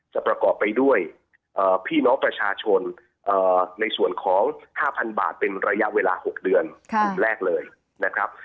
ประกอบไปด้วยพี่น้องประชาชนในส่วนของ๕๐๐๐บาทเป็นระยะเวลา๖เดือนกลุ่มแรกเลยนะครับ